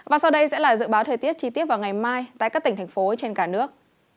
và sau đây sẽ là dự báo thời tiết chi tiết vào ngày mai tại các tỉnh thành phố trên cả nước